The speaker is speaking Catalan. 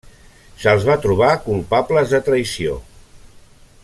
Se'ls va trobar culpables de traïció.